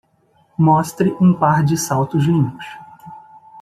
Mostre um par de saltos limpos.